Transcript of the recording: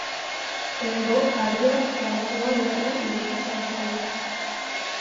En vo aria famatua ederra iritsi zitzaigun.